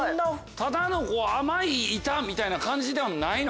ただの甘い板みたいな感じではないの？